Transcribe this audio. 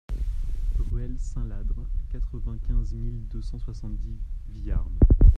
Ruelle Saint-Ladre, quatre-vingt-quinze mille deux cent soixante-dix Viarmes